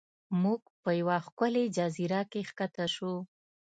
موږ په یوه ښکلې جزیره کې ښکته شو.